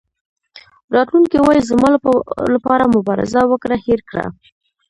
راتلونکی وایي زما لپاره مبارزه وکړه هېر کړه.